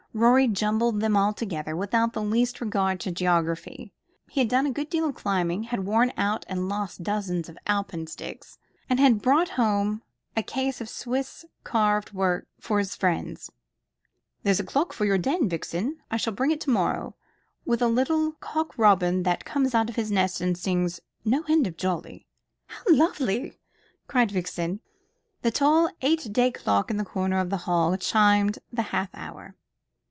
Rorie jumbled them all together, without the least regard to geography. He had done a good deal of climbing, had worn out and lost dozens of alpenstocks, and had brought home a case of Swiss carved work for his friends. "There's a clock for your den, Vixen I shall bring it to morrow with a little cock robin that comes out of his nest and sings no end of jolly." "How lovely!" cried Violet. The tall eight day clock in a corner of the hall chimed the half hour.